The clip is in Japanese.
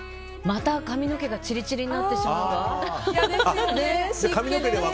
また髪の毛がチリチリになってしまうわ。